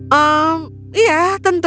hmm iya tentu